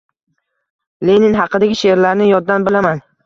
Lenin haqidagi she’rlarni yoddan bilaman.